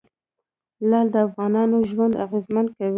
لعل د افغانانو ژوند اغېزمن کوي.